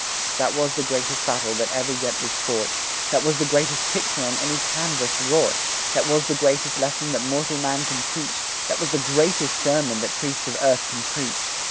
That was the greatest battle that ever yet was fought; That was the greatest picture on any canvas wrought; That was the greatest lesson that mortal man can teach; That was the greatest sermon that priests of earth can preach.